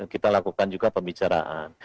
kita lakukan juga pembicaraan